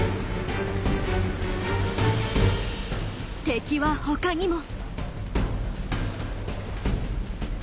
敵は他にも。